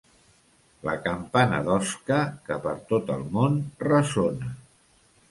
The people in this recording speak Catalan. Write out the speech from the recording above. La campana d'Osca, que per tot el món ressona.